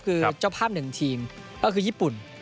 คือเจ้าภาพ๑ทีมก็คือญี่ปุ่น